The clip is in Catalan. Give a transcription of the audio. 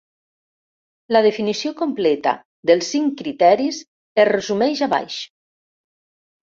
La definició completa dels cinc criteris es resumeix a baix.